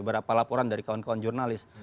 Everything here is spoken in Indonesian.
beberapa laporan dari kawan kawan jurnalis